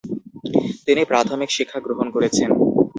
তিনি প্রাথমিক শিক্ষা গ্রহণ করেছেন।